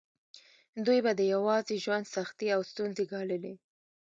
دوی به د یوازې ژوند سختې او ستونزې ګاللې.